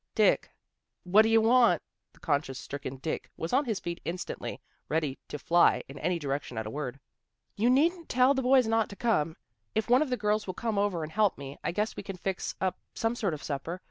" Dick." " What d'ye want? " The conscience stricken Dick was on his feet instantly, ready to fly in any direction at a word. " You needn't tell the boys not to come. If one of the girls will come over and help me, I guess we can fix up some sort of supper.